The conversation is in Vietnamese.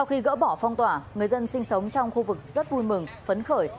sau khi gỡ bỏ phong tỏa người dân sinh sống trong khu vực rất vui mừng phấn khởi